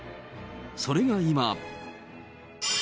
それが今。